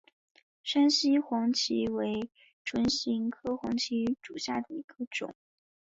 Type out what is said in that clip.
山西黄芩为唇形科黄芩属下的一个种。